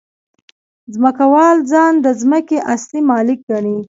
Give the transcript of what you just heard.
ځمکوال ځان د ځمکې اصلي مالک ګڼي